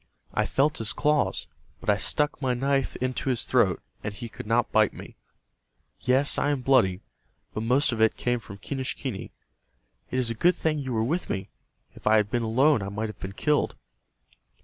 "I felt his claws, but I stuck my knife into his throat, and he could not bite me. Yes, I am bloody, but most of it came from Quenischquney. It is a good thing you were with me. If I had been alone I might have been killed."